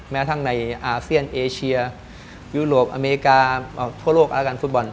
แม้ทั้งในอาเซียนเอเชียยุโรปอเมริกาทั่วโลกอาการฟุตบอล